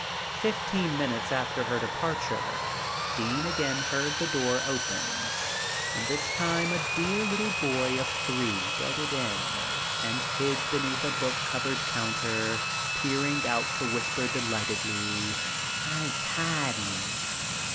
Fifteen minutes after her departure, Dean again heard the door open, and this time a dear little boy of three darted in and hid beneath a book covered counter, peering out to whisper delightedly, "I'se hidin'!